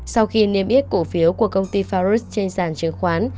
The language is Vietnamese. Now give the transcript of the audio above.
sau khi niêm yết cổ phiếu của công ty farus trên sàn chứng khoán